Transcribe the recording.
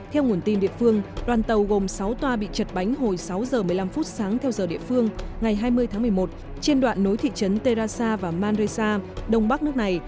theo nguồn tin địa phương đoàn tàu gồm sáu toa bị chật bánh hồi sáu giờ một mươi năm phút sáng theo giờ địa phương ngày hai mươi tháng một mươi một trên đoạn nối thị trấn terasa và madresa đông bắc nước này